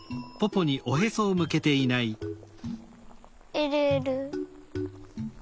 えるえる。